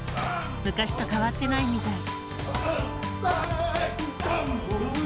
昔と変わってないみたい。